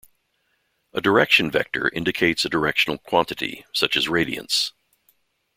A direction vector indicates a directional quantity, such as Radiance.